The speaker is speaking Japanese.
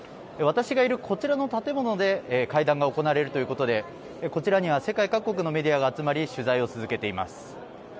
私がいるこちらの建物で会談が行われるということで、こちらには世界各国のメディアが集まり、取材を続けています。